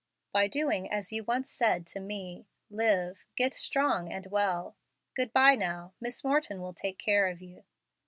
"By doing as you once said to me, 'Live! get strong and well.' Good by now. Miss Morton will take care of you."